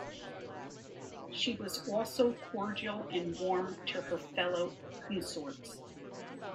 She was also cordial and warm to her fellow consorts.